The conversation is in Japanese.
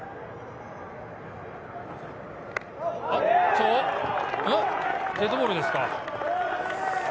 おっと、デッドボールですか？